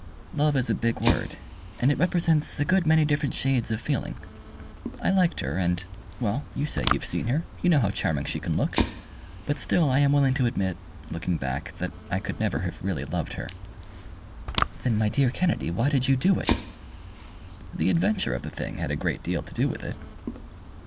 "Love is a big word, and it represents a good many different shades of feeling. I liked her, and well, you say you've seen her you know how charming she can look. But still I am willing to admit, looking back, that I could never have really loved her." "Then, my dear Kennedy, why did you do it?" "The adventure of the thing had a great deal to do with it."